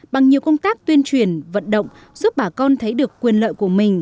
bằng nhiều công tác tuyên truyền vận động giúp bà con thấy được quyền lợi của mình